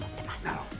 なるほど。